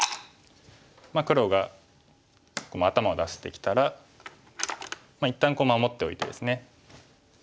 黒が頭を出してきたら一旦守っておいてですね。